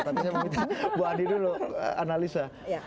tentunya bu andi dulu analisa